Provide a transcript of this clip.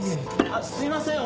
すいません